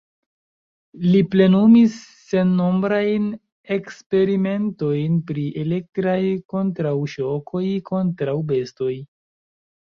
Li plenumis sennombrajn eksperimentojn pri elektraj kontraŭŝokoj kontraŭ bestoj.